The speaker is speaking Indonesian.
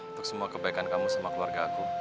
untuk semua kebaikan kamu sama keluarga aku